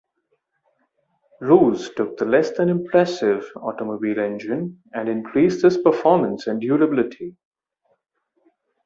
Roos took the "less than impressive" automobile engine and increased its performance and durability.